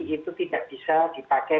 itu tidak bisa dipakai